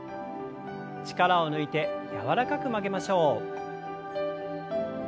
力を抜いて柔らかく曲げましょう。